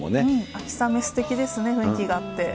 秋雨、すてきですね、雰囲気があって。